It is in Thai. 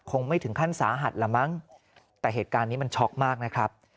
คงไม่ถึงขั้นสาหัสละมั้งแต่เหตุการณ์นี้มันช็อกมากนะครับ